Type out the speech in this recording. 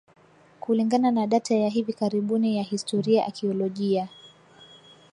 kulingana na data ya hivi karibuni ya kihistoria akiolojia